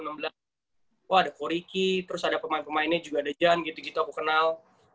oh ada foreiki terus ada pemain pemainnya juga ada jan gitu gitu aku kenal